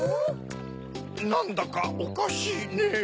なんだかおかしいねぇ。